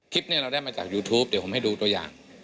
คลิปนี้เราได้มาจากยูทูปเดี๋ยวผมให้ดูตัวอย่าง